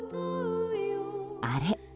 あれ？